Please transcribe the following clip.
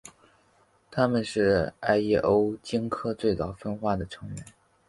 它们是艾什欧鲸科最早分化的成员。